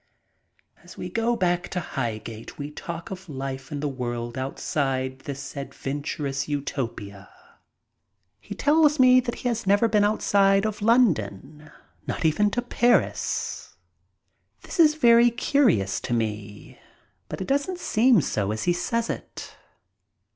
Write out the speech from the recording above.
As we go back to Highgate we talk of life in the world outside this adventurous Utopia. He tells me that he has never been outside of London, not even to Paris. This is very curious to me, but it doesn't seenvso as he says it.